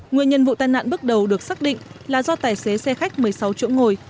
nguyên nhân vụ tai nạn bước đầu được xác định là do tài xế xe khách một mươi sáu chỗ ngồi